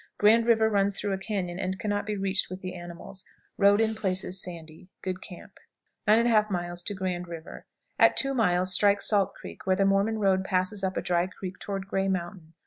Grand River runs through a cañon, and can not be reached with the animals. Road in places sandy. Good camp. 9 1/2. Grand River. At two miles strike Salt Creek, where the Mormon road passes up a dry creek toward Gray Mountain.